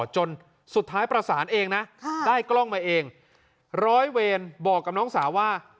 จนสุดท้ายประสานเองนะได้กล้องมาเองร้อยเวรบอกกับน้องสาวว่า